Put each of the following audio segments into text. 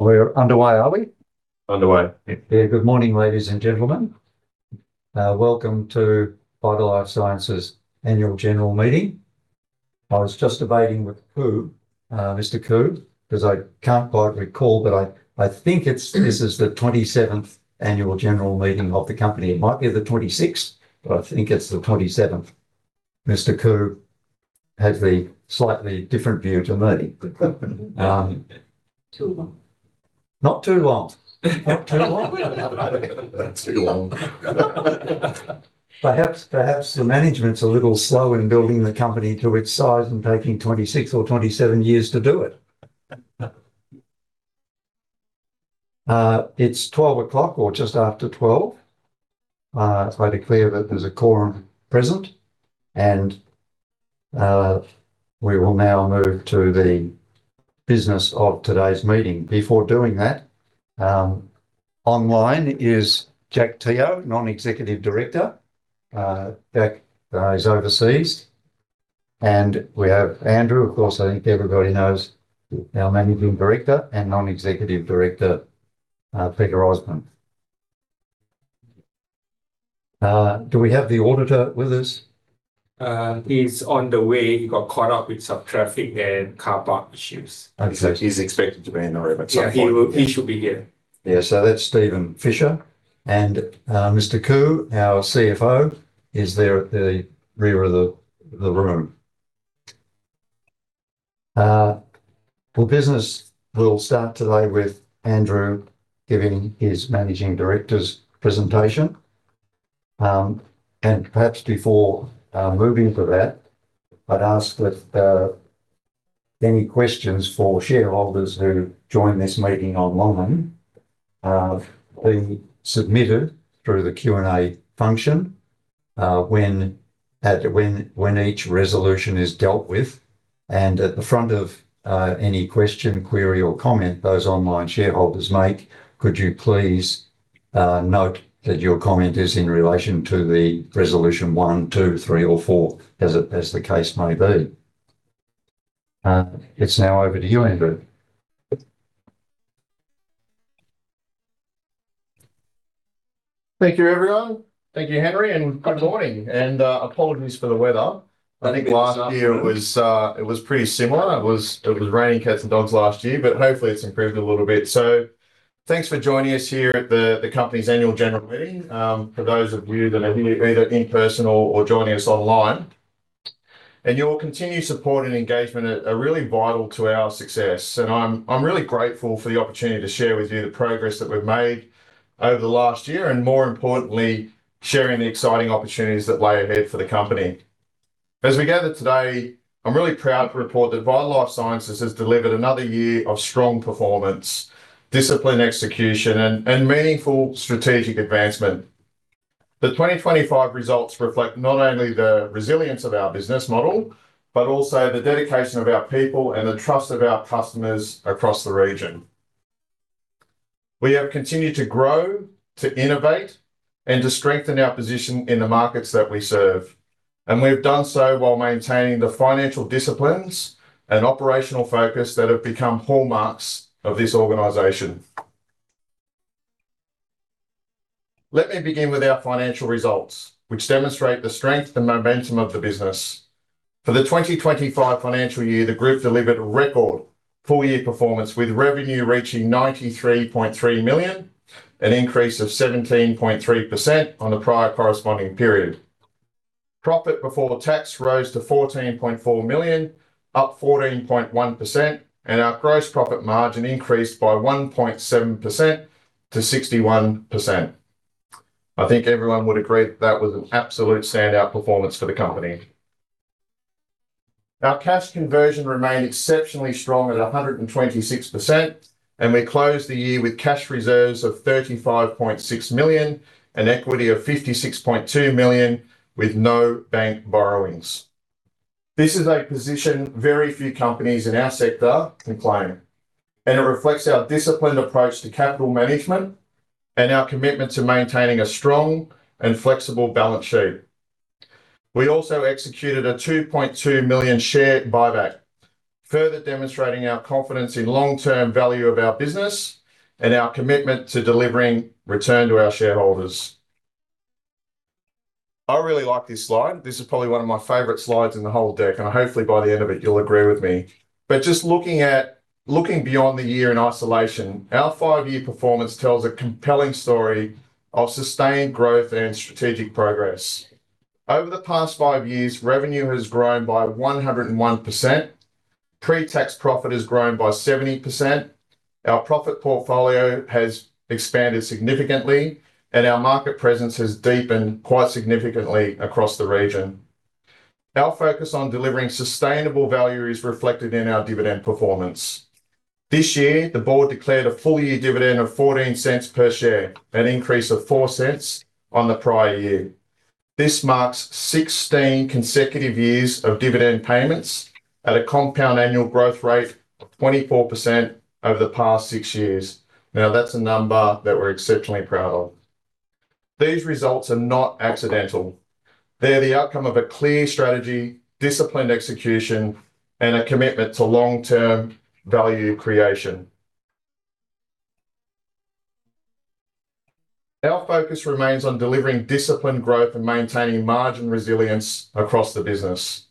We're underway, are we? Underway. Yeah. Good morning, ladies and gentlemen. Welcome to Vita Life Sciences' Annual General Meeting. I was just debating with Khoo, Mr. Khoo, because I can't quite recall, but I think this is the 27th Annual General Meeting of the company. It might be the 26th, but I think it's the 27th. Mr. Khoo has the slightly different view to me. Too long. Not too long. Not too long. That's too long. Perhaps the management's a little slow in building the company to its size and taking 26 or 27 years to do it. It's 12:00 or just after 12:00. I declare that there's a quorum present, and we will now move to the business of today's meeting. Before doing that, online is Jack Teoh, Non-Executive Director. Jack is overseas. We have Andrew, of course, I think everybody knows our Managing Director. And Non-Executive Director, Peter Osborne. Do we have the auditor with us? He's on the way. He got caught up with some traffic and car park issues. Okay. He's expected to be in the room at some point. Yeah, he should be here. Yeah. That's Stephen Fisher. Mr. Khoo, our CFO, is there at the rear of the room. Business will start today with Andrew giving his managing director's presentation. Perhaps before moving to that, I'd ask that any questions for shareholders who joined this meeting online have been submitted through the Q&A function when each resolution is dealt with. At the front of any question, query, or comment those online shareholders make, could you please note that your comment is in relation to the Resolution 1, 2, 3 or 4 as the case may be. It's now over to you, Andrew. Thank you, everyone. Thank you, Henry. Good morning, and apologies for the weather. That'd be it. I think last year it was pretty similar. It was raining cats and dogs last year, hopefully it's improved a little bit. Thanks for joining us here at the company's annual general meeting, for those of you that are here either in person or joining us online. Your continued support and engagement are really vital to our success, and I'm really grateful for the opportunity to share with you the progress that we've made over the last year. More importantly, sharing the exciting opportunities that lay ahead for the company. As we gather today, I'm really proud to report that Vita Life Sciences has delivered another year of strong performance, discipline, execution, and meaningful strategic advancement. The 2025 results reflect not only the resilience of our business model, but also the dedication of our people and the trust of our customers across the region. We have continued to grow, to innovate, and to strengthen our position in the markets that we serve, and we've done so while maintaining the financial disciplines and operational focus that have become hallmarks of this organization. Let me begin with our financial results, which demonstrate the strength and momentum of the business. For the 2025 financial year, the group delivered a record full-year performance with revenue reaching 93.3 million, an increase of 17.3% on the prior corresponding period. Profit before tax rose to 14.4 million, up 14.1%, and our gross profit margin increased by 1.7% to 61%. I think everyone would agree that was an absolute standout performance for the company. Our cash conversion remained exceptionally strong at 126%, and we closed the year with cash reserves of 35.6 million, and equity of 56.2 million with no bank borrowings. This is a position very few companies in our sector can claim, and it reflects our disciplined approach to capital management and our commitment to maintaining a strong and flexible balance sheet. We also executed a 2.2 million share buyback, further demonstrating our confidence in long-term value of our business and our commitment to delivering return to our shareholders. I really like this slide. This is probably one of my favorite slides in the whole deck, and hopefully by the end of it you'll agree with me. Just looking beyond the year in isolation, our five-year performance tells a compelling story of sustained growth and strategic progress. Over the past five years, revenue has grown by 101%. Pre-tax profit has grown by 70%. Our profit portfolio has expanded significantly, and our market presence has deepened quite significantly across the region. Our focus on delivering sustainable value is reflected in our dividend performance. This year, the board declared a full-year dividend of 0.14 per share, an increase of 0.04 on the prior year. This marks 16 consecutive years of dividend payments at a compound annual growth rate of 24% over the past six years. Now, that's a number that we're exceptionally proud of. These results are not accidental. They are the outcome of a clear strategy, disciplined execution, and a commitment to long-term value creation. Our focus remains on delivering disciplined growth and maintaining margin resilience across the business.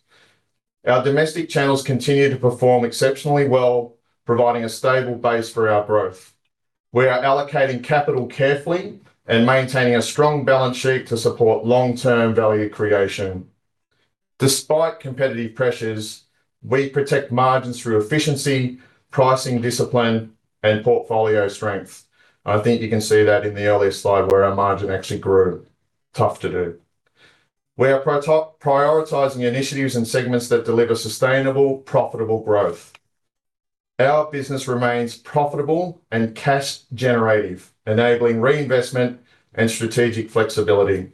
Our domestic channels continue to perform exceptionally well, providing a stable base for our growth. We are allocating capital carefully and maintaining a strong balance sheet to support long-term value creation. Despite competitive pressures, we protect margins through efficiency, pricing discipline, and portfolio strength. I think you can see that in the earlier slide where our margin actually grew. Tough to do. We are prioritizing initiatives and segments that deliver sustainable, profitable growth. Our business remains profitable and cash generative, enabling reinvestment and strategic flexibility.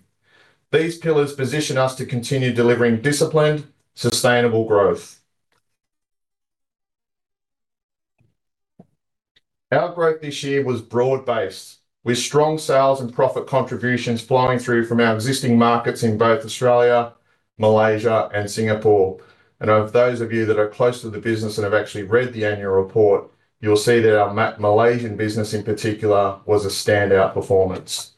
These pillars position us to continue delivering disciplined, sustainable growth. Our growth this year was broad-based, with strong sales and profit contributions flowing through from our existing markets in both Australia, Malaysia, and Singapore. Of those of you that are close to the business and have actually read the annual report, you'll see that our Malaysian business, in particular, was a standout performance.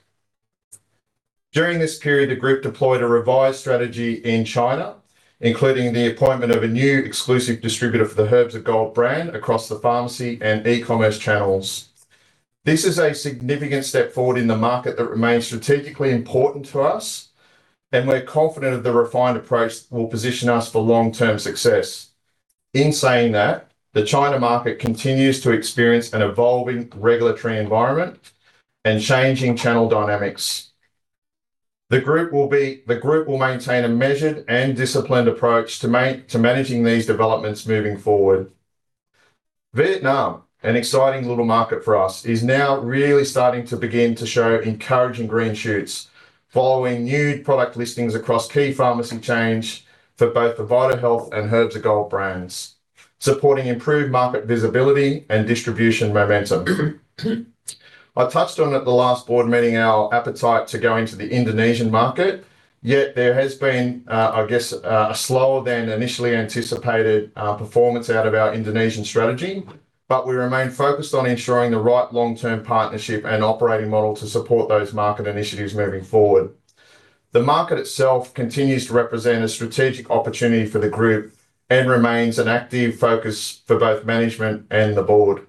During this period, the group deployed a revised strategy in China, including the appointment of a new exclusive distributor for the Herbs of Gold brand across the pharmacy and e-commerce channels. This is a significant step forward in the market that remains strategically important to us, and we're confident that the refined approach will position us for long-term success. In saying that, the China market continues to experience an evolving regulatory environment and changing channel dynamics. The group will maintain a measured and disciplined approach to managing these developments moving forward. Vietnam, an exciting little market for us, is now really starting to begin to show encouraging green shoots following new product listings across key pharmacy chains for both the VitaHealth and Herbs of Gold brands, supporting improved market visibility and distribution momentum. I touched on at the last board meeting our appetite to go into the Indonesian market. Yet there has been, I guess, a slower than initially anticipated performance out of our Indonesian strategy, but we remain focused on ensuring the right long-term partnership and operating model to support those market initiatives moving forward. The market itself continues to represent a strategic opportunity for the group and remains an active focus for both management and the board.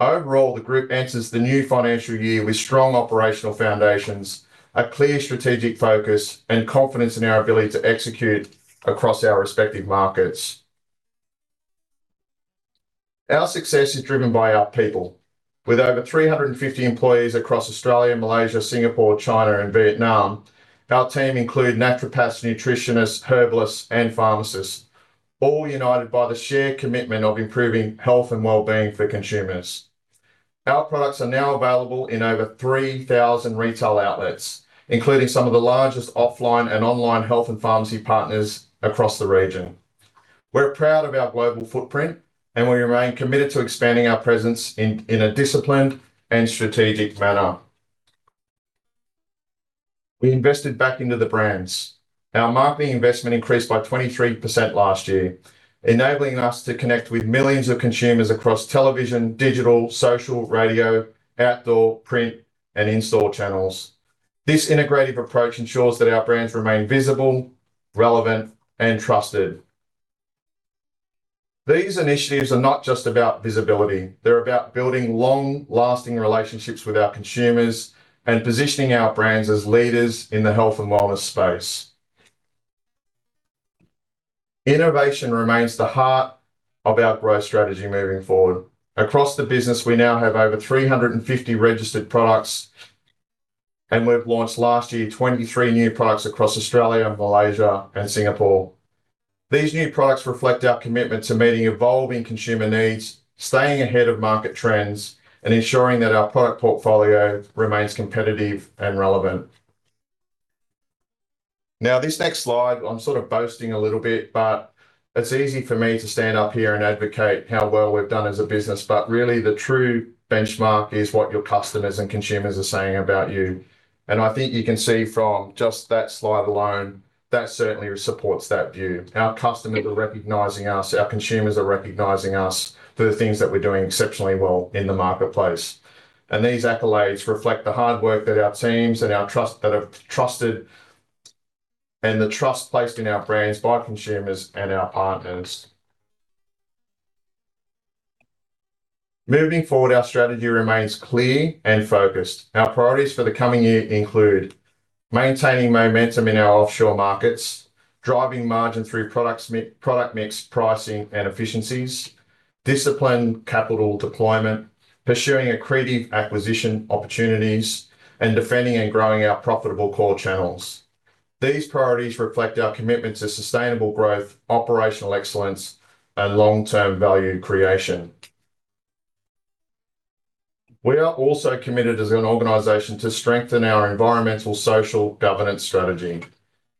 Overall, the group enters the new financial year with strong operational foundations, a clear strategic focus, and confidence in our ability to execute across our respective markets. Our success is driven by our people. With over 350 employees across Australia, Malaysia, Singapore, China, and Vietnam, our team include naturopaths, nutritionists, herbalists, and pharmacists, all united by the shared commitment of improving health and wellbeing for consumers. Our products are now available in over 3,000 retail outlets, including some of the largest offline and online health and pharmacy partners across the region. We're proud of our global footprint, and we remain committed to expanding our presence in a disciplined and strategic manner. We invested back into the brands. Our marketing investment increased by 23% last year, enabling us to connect with millions of consumers across television, digital, social, radio, outdoor, print, and in-store channels. This integrative approach ensures that our brands remain visible, relevant, and trusted. These initiatives are not just about visibility. They're about building long-lasting relationships with our consumers and positioning our brands as leaders in the health and wellness space. Innovation remains the heart of our growth strategy moving forward. Across the business, we now have over 350 registered products, and we've launched last year 23 new products across Australia, Malaysia, and Singapore. These new products reflect our commitment to meeting evolving consumer needs, staying ahead of market trends, and ensuring that our product portfolio remains competitive and relevant. This next slide, I'm sort of boasting a little bit, but it's easy for me to stand up here and advocate how well we've done as a business. Really, the true benchmark is what your customers and consumers are saying about you. I think you can see from just that slide alone, that certainly supports that view. Our customers are recognizing us, our consumers are recognizing us for the things that we're doing exceptionally well in the marketplace. These accolades reflect the hard work that our teams that have trusted and the trust placed in our brands by consumers and our partners. Moving forward, our strategy remains clear and focused. Our priorities for the coming year include maintaining momentum in our offshore markets, driving margin through product mix pricing and efficiencies, disciplined capital deployment, pursuing accretive acquisition opportunities, and defending and growing our profitable core channels. These priorities reflect our commitment to sustainable growth, operational excellence, and long-term value creation. We are also committed as an organization to strengthen our environmental, social governance strategy.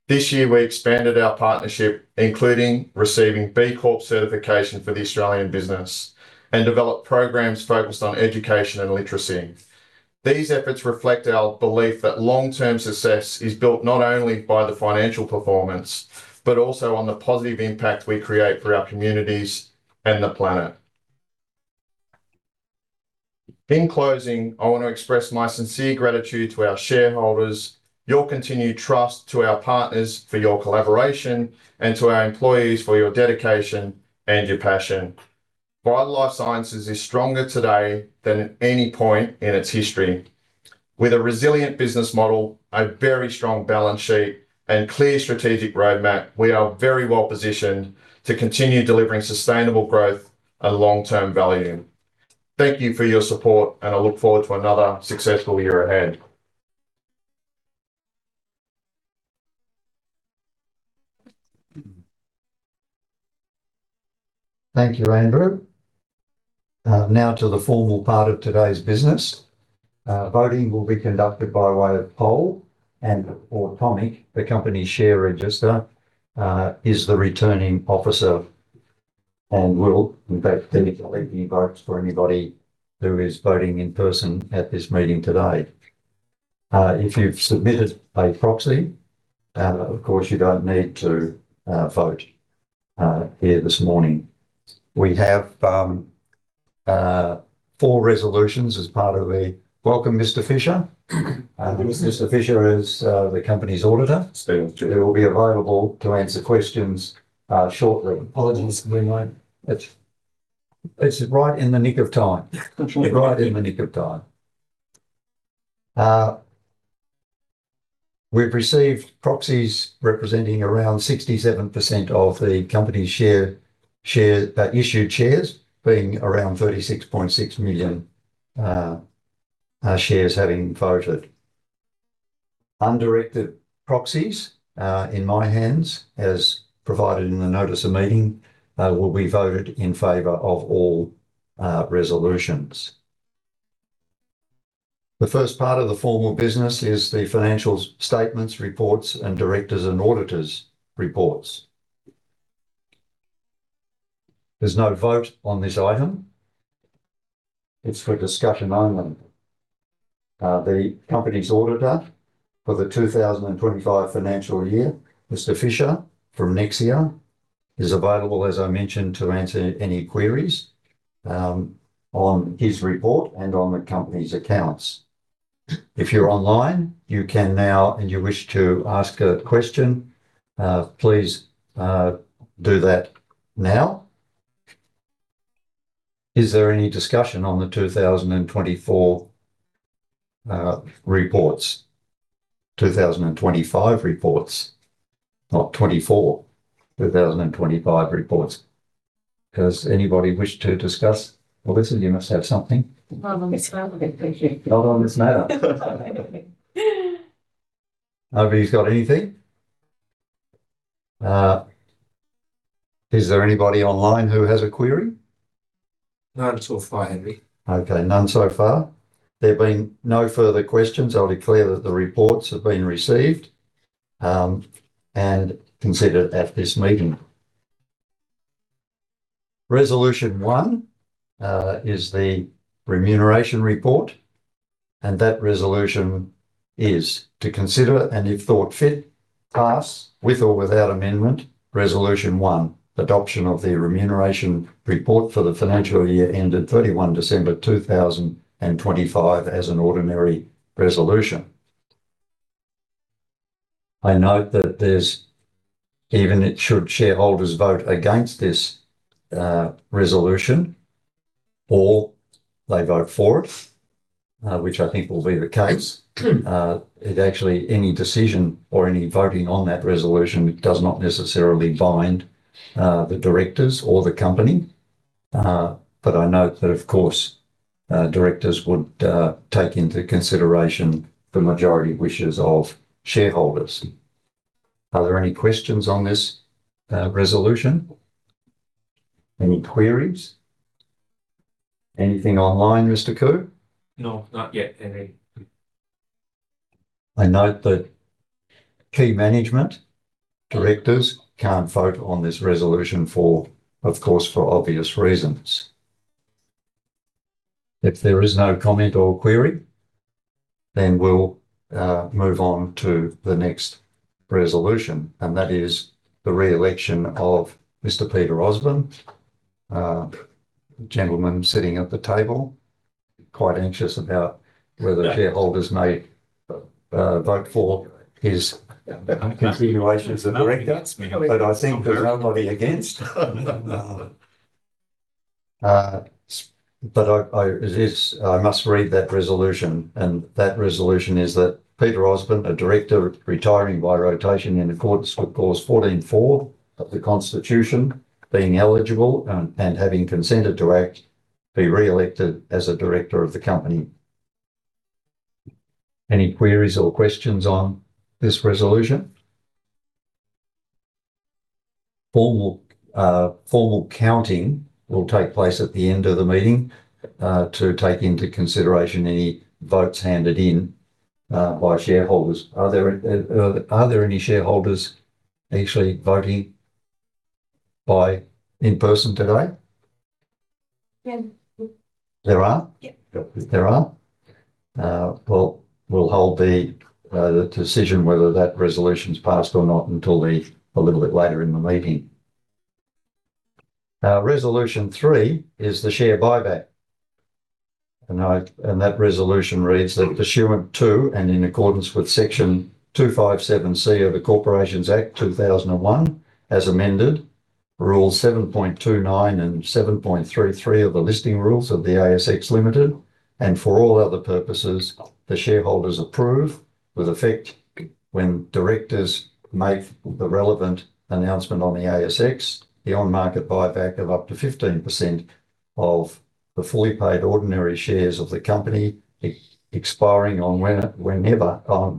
This year, we expanded our partnership, including receiving B Corp certification for the Australian business and developed programs focused on education and literacy. These efforts reflect our belief that long-term success is built not only by the financial performance, but also on the positive impact we create for our communities and the planet. In closing, I want to express my sincere gratitude to our shareholders, your continued trust to our partners for your collaboration, and to our employees for your dedication and your passion. Vita Life Sciences is stronger today than at any point in its history. With a resilient business model, a very strong balance sheet, and clear strategic roadmap, we are very well-positioned to continue delivering sustainable growth and long-term value. Thank you for your support, and I look forward to another successful year ahead. Thank you, Andrew. To the formal part of today's business. Voting will be conducted by way of poll and Automic, the company share register, is the returning officer, and will in fact technically be voting for anybody who is voting in person at this meeting today. If you've submitted a proxy, of course, you don't need to vote here this morning. We have four resolutions as part of the, welcome, Mr. Fisher. Mr. Fisher is the company's Auditor. It's good to. Who will be available to answer questions shortly. Apologies I'm late. It's right in the nick of time. Right in the nick of time. We've received proxies representing around 67% of the company's issued shares, being around 36.6 million shares having voted. Undirected proxies, in my hands, as provided in the notice of meeting, will be voted in favor of all resolutions. The first part of the formal business is the financial statements, reports, and directors and auditors reports. There's no vote on this item. It's for discussion only. The company's auditor for the 2025 financial year, Mr. Fisher from Nexia, is available, as I mentioned, to answer any queries on his report and on the company's accounts. If you're online, you can now, if you wish to ask a question, please do that now. Is there any discussion on the 2024 reports? 2025 reports, not 2024. 2025 reports. Does anybody wish to discuss? Well, listen, you must have something. Not on this matter, thank you. Not on this matter. Nobody's got anything? Is there anybody online who has a query? None so far, Henry. Okay. None so far. There being no further questions, I'll declare that the reports have been received, and considered at this meeting. Resolution 1 is the remuneration report, and that resolution is to consider, and if thought fit, pass, with or without amendment, Resolution 1, adoption of the remuneration report for the financial year ended December 31, 2025 as an ordinary resolution. I note that there's, even should shareholders vote against this resolution, or they vote for it, which I think will be the case, it actually, any decision or any voting on that resolution does not necessarily bind the directors or the company. I note that of course, directors would take into consideration the majority wishes of shareholders. Are there any questions on this resolution? Any queries? Anything online, Mr. Khoo? No, not yet, Henry. I note that key management, directors, can't vote on this resolution, of course, for obvious reasons. If there is no comment or query, we'll move on to the next resolution, and that is the re-election of Mr. Peter Osborne, the gentleman sitting at the table. Quite anxious about whether- Yeah. -shareholders may vote for continuation as a director. No, that's me. I'm here. I think there's nobody against. I must read that resolution, and that resolution is that Peter Osborne, a director retiring by rotation in accordance with Clause 14.4 of the Constitution, being eligible and having consented to act, be re-elected as a director of the company. Any queries or questions on this resolution? Formal counting will take place at the end of the meeting to take into consideration any votes handed in by shareholders. Are there any shareholders actually voting in person today? Yes. There are? Yeah. There are. Well, we'll hold the decision whether that resolution's passed or not until a little bit later in the meeting. Resolution 3 is the share buyback, and that resolution reads that pursuant to, and in accordance with Section 257C of the Corporations Act 2001, as amended, Rules 7.29 and 7.33 of the listing rules of the ASX Limited, and for all other purposes, the shareholders approve, with effect when directors make the relevant announcement on the ASX, the on-market buyback of up to 15% of the fully paid ordinary shares of the company, expiring on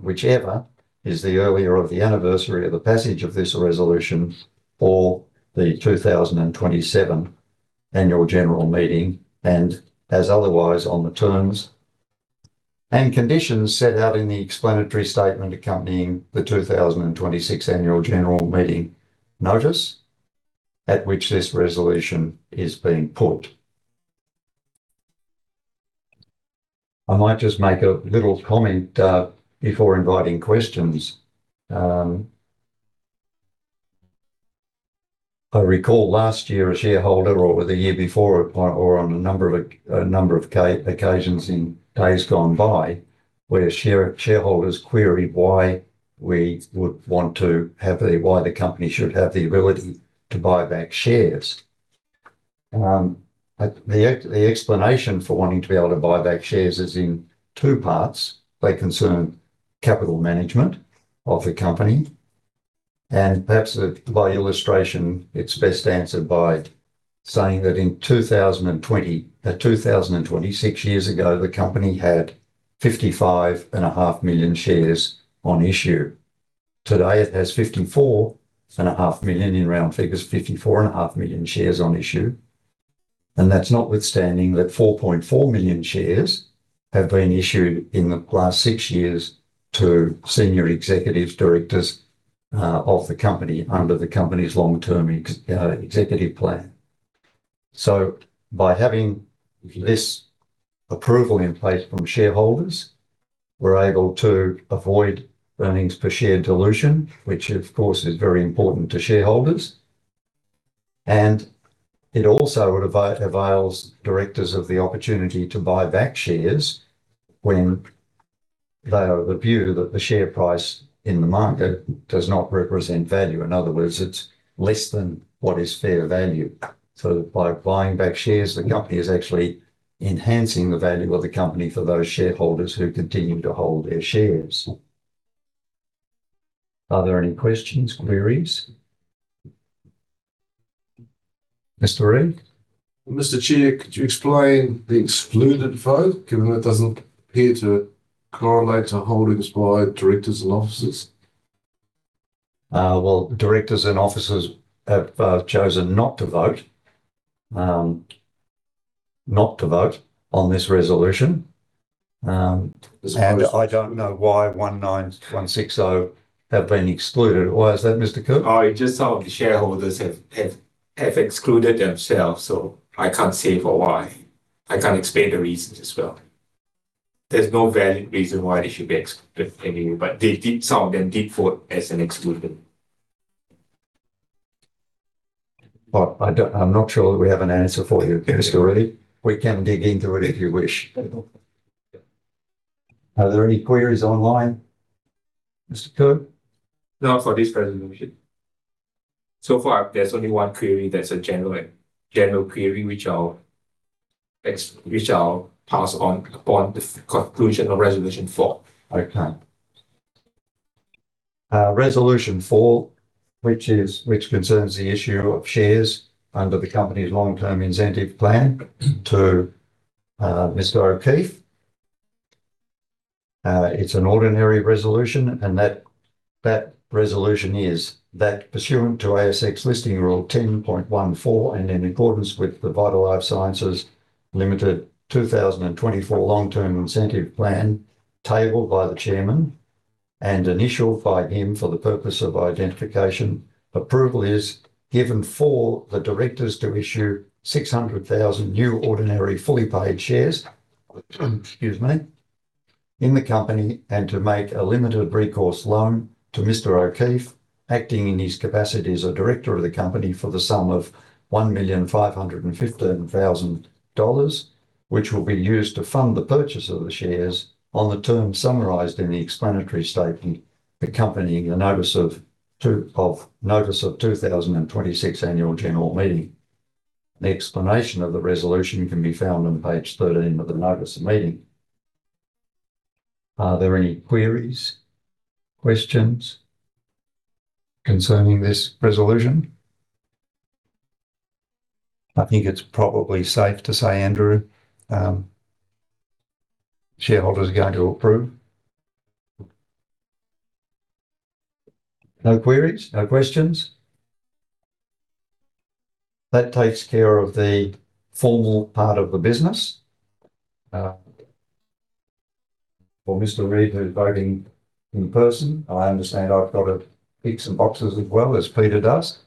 whichever is the earlier of the anniversary of the passage of this resolution or the 2027 Annual General Meeting, and as otherwise on the terms and conditions set out in the explanatory statement accompanying the 2026 Annual General Meeting notice at which this resolution is being put. I might just make a little comment before inviting questions. I recall last year a shareholder, or the year before, or on a number of occasions in days gone by, where shareholders queried why the company should have the ability to buy back shares. The explanation for wanting to be able to buy back shares is in two parts. They concern capital management of the company, and perhaps by illustration, it's best answered by saying that in 2020, 26 years ago, the company had 55.5 million shares on issue. Today, it has 54.5 million, in round figures, 54.5 million shares on issue. That's notwithstanding that 4.4 million shares have been issued in the last six years to senior executives, directors of the company under the company's long-term incentive plan. By having this approval in place from shareholders, we're able to avoid earnings per share dilution, which of course is very important to shareholders, and it also avails directors of the opportunity to buy back shares when they are of the view that the share price in the market does not represent value. In other words, it's less than what is fair value. By buying back shares, the company is actually enhancing the value of the company for those shareholders who continue to hold their shares. Are there any questions, queries? Mr. [Reid]? Mr. Chair, could you explain the excluded vote, given that it doesn't appear to correlate to holdings by directors and officers? Well, directors and officers have chosen not to vote on this resolution. I don't know why 19,160 have been excluded. Why is that, Mr. Khoo? Just some of the shareholders have excluded themselves, so I can't say for why. I can't explain the reasons as well. There's no valid reason why they should be excluded anyway, but some of them did vote as an exclusion. Well, I'm not sure that we have an answer for you, Mr. [Reid]. We can dig into it if you wish. Okay. Are there any queries online, Mr. Khoo? Not for this resolution. Far, there's only one query that's a general query, which I'll pass upon the conclusion of Resolution 4. Okay. Resolution 4, which concerns the issue of shares under the company's long-term incentive plan to Mr. O'Keefe. It's an ordinary resolution, that resolution is that pursuant to ASX Listing Rule 10.14, and in accordance with the Vita Life Sciences Limited 2024 long-term incentive plan, tabled by the chairman and initialed by him for the purpose of identification, approval is given for the directors to issue 600,000 new ordinary, fully paid shares, excuse me, in the company, and to make a limited recourse loan to Mr. O'Keefe, acting in his capacity as a director of the company, for the sum of 1,515,000 dollars, which will be used to fund the purchase of the shares on the terms summarized in the explanatory statement accompanying the notice of 2026 Annual General Meeting. The explanation of the resolution can be found on page 13 of the notice of meeting. Are there any queries, questions concerning this resolution? I think it's probably safe to say, Andrew, shareholders are going to approve. No queries, no questions? That takes care of the formal part of the business. For Mr. [Reid], who's voting in person, I understand I've got to tick some boxes as well as Peter does.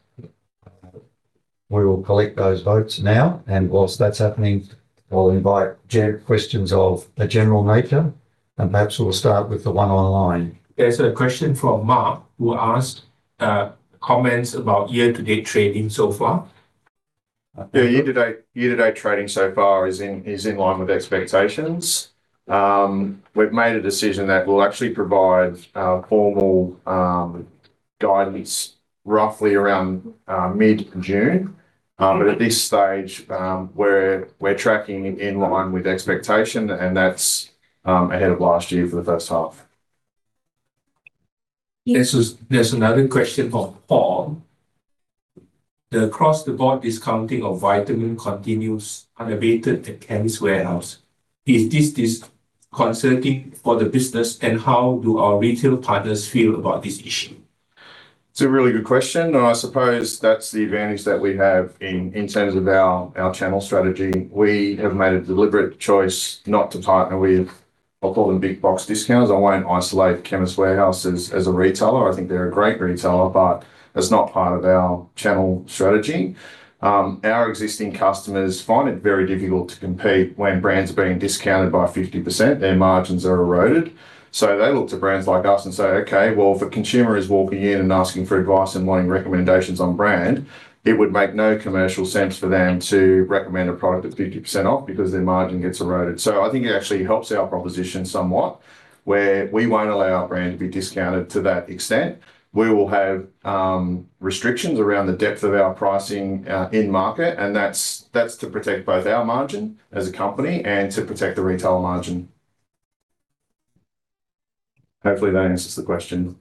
We will collect those votes now, and while that's happening, I'll invite questions of a general nature, and perhaps we'll start with the one online. There's a question from Mark, who asked comments about year-to-date trading so far. Yeah. Year-to-date trading so far is in line with expectations. We've made a decision that we'll actually provide our formal guidance roughly around mid-June. At this stage, we're tracking in line with expectation, and that's ahead of last year for the first half. There's another question from Paul. The across-the-board discounting of vitamin continues unabated at Chemist Warehouse. Is this disconcerting for the business? How do our retail partners feel about this issue? It's a really good question, I suppose that's the advantage that we have in terms of our channel strategy. We have made a deliberate choice not to partner with, I'll call them big box discounts. I won't isolate Chemist Warehouse as a retailer. I think they're a great retailer, It's not part of our channel strategy. Our existing customers find it very difficult to compete when brands are being discounted by 50%, their margins are eroded. They look to brands like us and say, okay, well, if a consumer is walking in and asking for advice and wanting recommendations on brand, it would make no commercial sense for them to recommend a product that's 50% off because their margin gets eroded. I think it actually helps our proposition somewhat, where we won't allow our brand to be discounted to that extent. We will have restrictions around the depth of our pricing in-market, and that's to protect both our margin as a company and to protect the retail margin. Hopefully, that answers the question.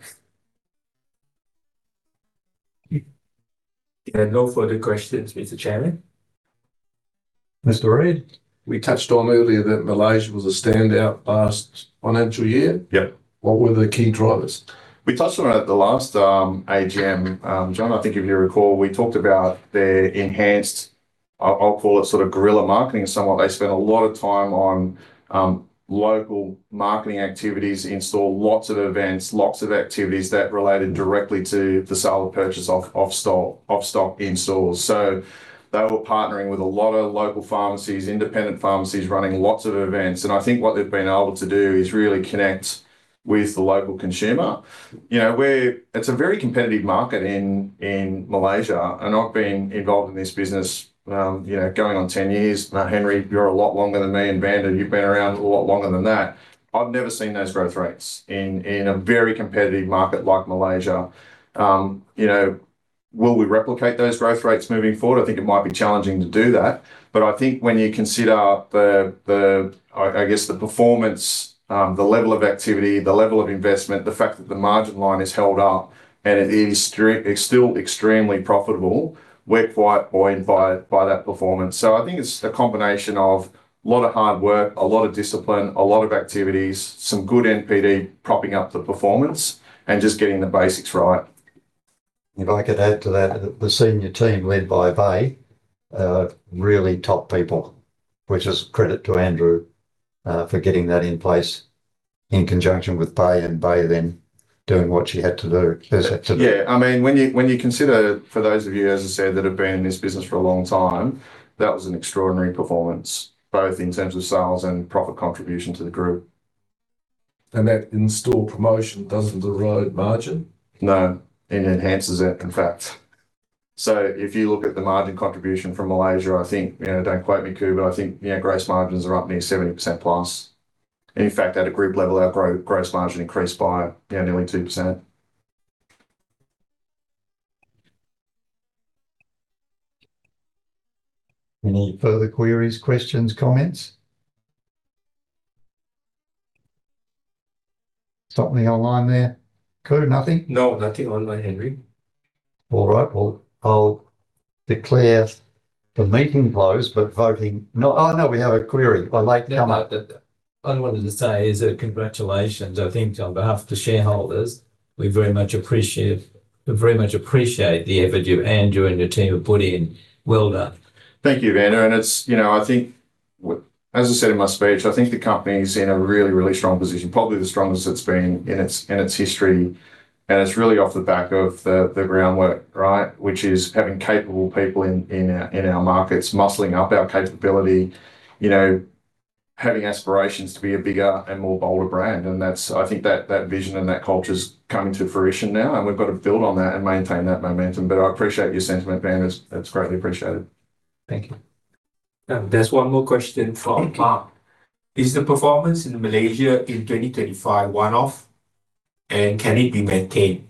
Yeah. No further questions, Mr. Chairman. Mr. [Reid]? We touched on earlier that Malaysia was a standout last financial year. Yep. What were the key drivers? We touched on it at the last AGM, John, I think if you recall, we talked about their enhanced, I'll call it sort of guerrilla marketing somewhat. They spent a lot of time on local marketing activities, in-store, lots of events, lots of activities that related directly to the sale or purchase of stock in stores. They were partnering with a lot of local pharmacies, independent pharmacies, running lots of events, and I think what they've been able to do is really connect with the local consumer. It's a very competitive market in Malaysia, and I've been involved in this business going on 10 years now. Henry, you're a lot longer than me, and Vanda, you've been around a lot longer than that. I've never seen those growth rates in a very competitive market like Malaysia. Will we replicate those growth rates moving forward? I think it might be challenging to do that, I think when you consider the performance, the level of activity, the level of investment, the fact that the margin line is held up and it is still extremely profitable, we're quite buoyed by that performance. I think it's a combination of a lot of hard work, a lot of discipline, a lot of activities, some good NPD propping up the performance, and just getting the basics right. If I could add to that. The senior team led by [Bay] are really top people, which is credit to Andrew for getting that in place in conjunction with [Bay], and [Bay] then doing what she had to do. Yeah. When you consider, for those of you, as I said, that have been in this business for a long time, that was an extraordinary performance, both in terms of sales and profit contribution to the group. That in-store promotion doesn't erode margin? No. It enhances it, in fact. If you look at the margin contribution from Malaysia, I think, don't quote me, Khoo, but I think gross margins are up near 70%+. In fact, at a group level, our gross margin increased by nearly 2%. Any further queries, questions, comments? Stop me online there. Khoo, nothing? No, nothing on my end, Henry. All right. Well, I'll declare the meeting closed. No, we have a query. I'd like to come up- I wanted to say is congratulations. I think on behalf of the shareholders, we very much appreciate the effort you, Andrew, and your team have put in. Well done. Thank you, [Vanda]. I think, as I said in my speech, I think the company is in a really, really strong position, probably the strongest it's been in its history. It's really off the back of the groundwork, right? Which is having capable people in our markets, muscling up our capability, having aspirations to be a bigger and more bolder brand. I think that vision and that culture's coming to fruition now, and we've got to build on that and maintain that momentum. I appreciate your sentiment, [Vanda]. That's greatly appreciated. Thank you. There is one more question from Mark. Is the performance in Malaysia in 2025 one-off, and can it be maintained?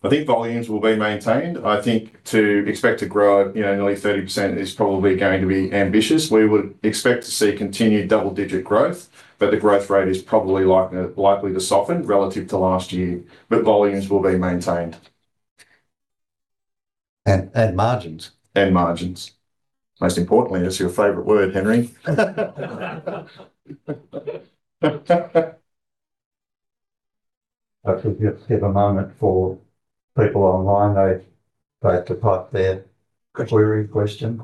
I think volumes will be maintained. I think to expect to grow nearly 30% is probably going to be ambitious. We would expect to see continued double-digit growth, but the growth rate is probably likely to soften relative to last year. Volumes will be maintained. Margins. Margins. Most importantly, that's your favorite word, Henry. I think let's have a moment for people online. They have to park their query question.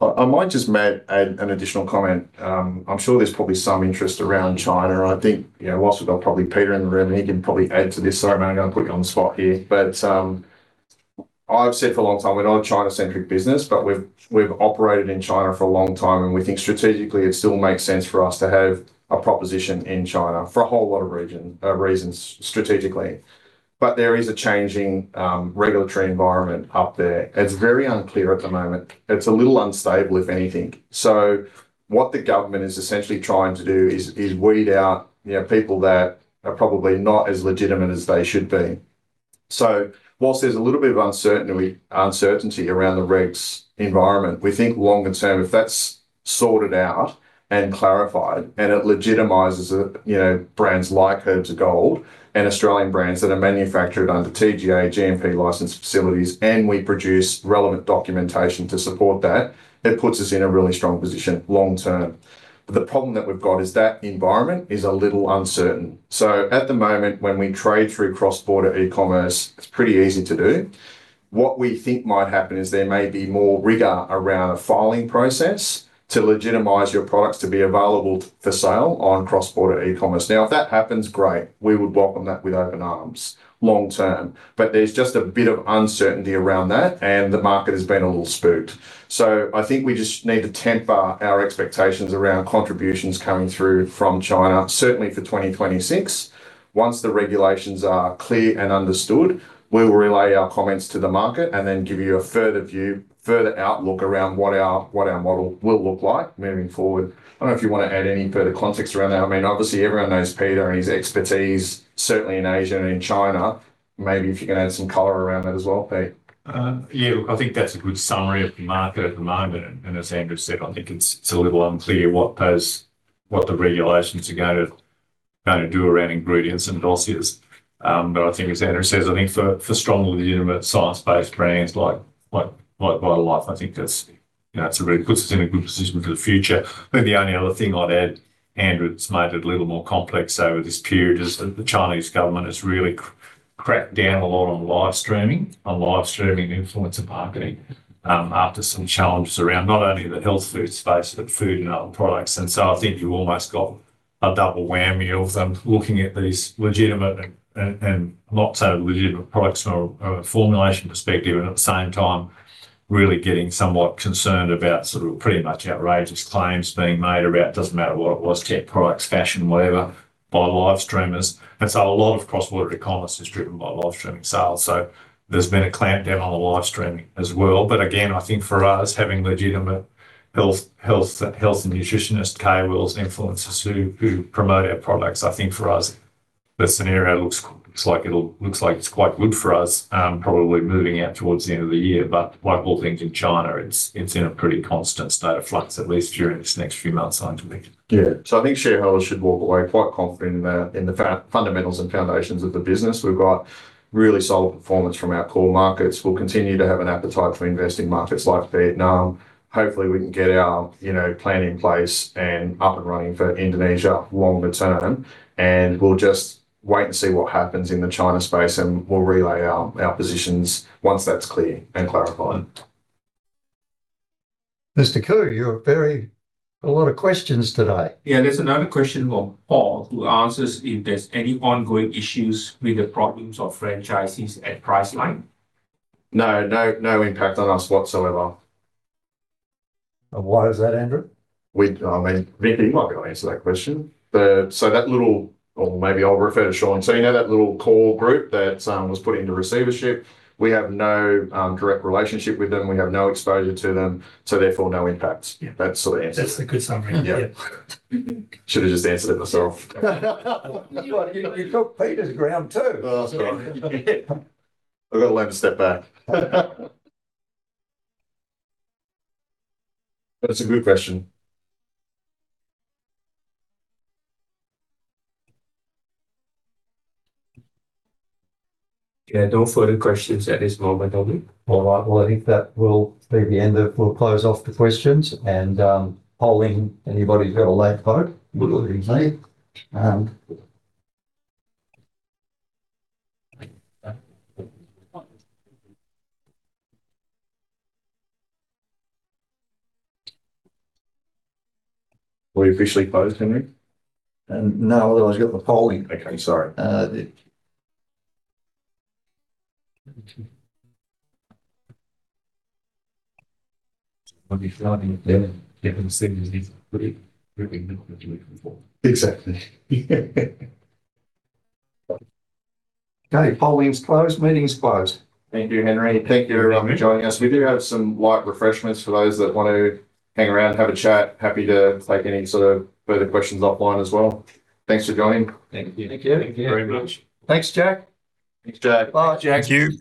I might just add an additional comment. I'm sure there's probably some interest around China, and I think while we've got probably Peter in the room, and he can probably add to this. Sorry, mate, I'm going to put you on the spot here. I've said for a long time we're not a China-centric business, but we've operated in China for a long time. We think strategically it still makes sense for us to have a proposition in China for a whole lot of reasons strategically. There is a changing regulatory environment up there. It's very unclear at the moment. It's a little unstable, if anything. What the government is essentially trying to do is weed out people that are probably not as legitimate as they should be. Whilst there's a little bit of uncertainty around the regs environment, we think long term, if that's sorted out and clarified and it legitimizes brands like Herbs of Gold and Australian brands that are manufactured under TGA, GMP licensed facilities, and we produce relevant documentation to support that, it puts us in a really strong position long term. The problem that we've got is that the environment is a little uncertain. At the moment, when we trade through cross-border e-commerce, it's pretty easy to do. What we think might happen is there may be more rigor around a filing process to legitimize your products to be available for sale on cross-border e-commerce. If that happens, great. We would welcome that with open arms long term. There's just a bit of uncertainty around that, and the market has been a little spooked. I think we just need to temper our expectations around contributions coming through from China, certainly for 2026. Once the regulations are clear and understood, we will relay our comments to the market and then give you a further view, further outlook around what our model will look like moving forward. I don't know if you want to add any further context around that. Obviously, everyone knows Peter and his expertise, certainly in Asia and in China. Maybe if you can add some color around that as well, Pete. Yeah, look, I think that's a good summary of the market at the moment. As Andrew said, I think it's a little unclear what the regulations are going to do around ingredients and dossiers. As Andrew says, I think for strong legitimate science-based brands like Vita Life Sciences, I think that it really puts us in a good position for the future. I think the only other thing I'd add, Andrew, it's made it a little more complex over this period, is that the Chinese government has really cracked down a lot on live-streaming, on live-streaming influencer marketing after some challenges around not only the health food space, but food and other products. I think you've almost got a double whammy of them looking at these legitimate and not so legitimate products from a formulation perspective and at the same time really getting somewhat concerned about sort of pretty much outrageous claims being made about, doesn't matter what it was, tech products, fashion, whatever, by live-streamers. A lot of cross-border e-commerce is driven by live-streaming sales. There's been a clampdown on the live-streaming as well. Again, I think for us, having legitimate health and nutritionist KOLs, influencers who promote our products, I think for us the scenario looks like it's quite good for us probably moving out towards the end of the year. Like all things in China, it's in a pretty constant state of flux, at least during this next few months, I think. Yeah. I think shareholders should walk away quite confident in the fundamentals and foundations of the business. We've got really solid performance from our core markets. We'll continue to have an appetite for investing in markets like Vietnam. Hopefully, we can get our plan in place and up and running for Indonesia longer term, and we'll just wait and see what happens in the China space, and we'll relay our positions once that's clear and clarified. Mr. Khoo, A lot of questions today. Yeah, there's another question from Paul who asks if there's any ongoing issues with the problems of franchisees at Priceline. No. No impact on us whatsoever. Why is that, Andrew? I mean, maybe you might be able to answer that question. Maybe I'll refer to Shaun. You know that little core group that was put into receivership? We have no direct relationship with them. We have no exposure to them. Therefore, no impact. Yeah. That sort of answers it. That's a good summary. Yeah. Should've just answered it myself. You took Peter's ground, too. Oh, sorry. I've got to learn to step back. That's a good question. Yeah, no further questions at this moment, Henry. All right. Well, We'll close off the questions, and polling anybody who had a late vote. Exactly. We officially closed, Henry? No, I've got the polling. Okay. Sorry. When you're done, you can see who needs improvement. Exactly. Okay. Polling's closed. Meeting's closed. Thank you, Henry. Thank you everyone for joining us. We do have some light refreshments for those that want to hang around, have a chat. Happy to take any sort of further questions offline as well. Thanks for joining. Thank you. Thank you. Thank you very much. Thanks, Jack. Thanks, Jack. Bye, Jack. Thank you.